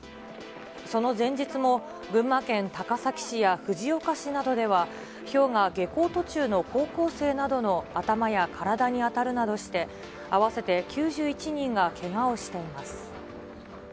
その前日も、群馬県高崎市や藤岡市などでは、ひょうが下校途中の高校生などの頭や体に当たるなどして、合わせて９１人がけがをしています。